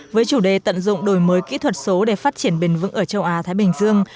với chủ đề tận dụng đổi mới kỹ thuật số để phát triển bền vững ở châu á thái bình dương